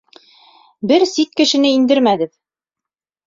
Бер сит кешене индермәгеҙ.